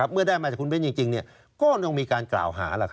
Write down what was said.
เมื่อได้มาจากคุณเบ้นจริงก็ต้องมีการกล่าวหา